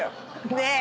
ねえ！